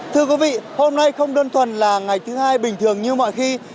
thưa quý vị hôm nay không đơn thuần là ngày thứ hai bình thường như mọi khi